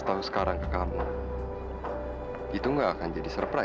dan kita akan lihat pak